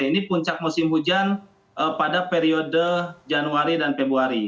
ini puncak musim hujan pada periode januari dan februari